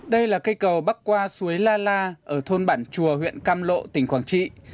đây là cây cầu bắc qua suối la la ở thôn bản chùa huyện cam lộ tỉnh quảng trị